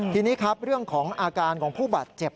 ทีนี้ครับเรื่องของอาการของผู้บาดเจ็บ